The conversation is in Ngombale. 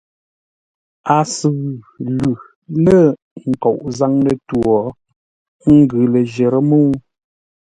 A sʉʉ lʉ lə̂ nkoʼ zâŋ lətwǒ, ə́ ngʉ ləjərə́ mə́u.